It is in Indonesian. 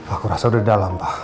aku rasa udah dalam